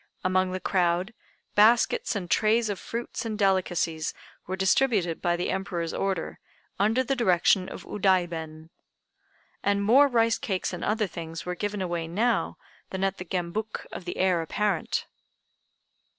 Among the crowd baskets and trays of fruits and delicacies were distributed by the Emperor's order, under the direction of Udaiben; and more rice cakes and other things were given away now than at the Gembuk of the Heir apparent.